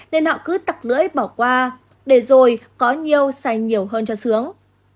nên họ cứ tặc lưỡi bỏ qua để rồi có nhiều say nhiều hơn cho sướng